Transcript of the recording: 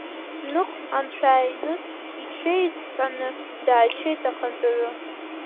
Ных, анцәаиныс, иҽеиҵҳәаны дааччеит ахантәаҩы.